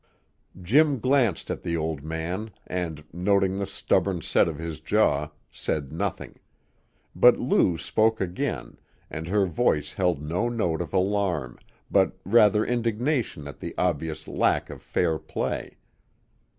Jim glanced at the old man, and, noting the stubborn set of his jaw, said nothing; but Lou spoke again, and her voice held no note of alarm, but rather indignation at the obvious lack of fair play.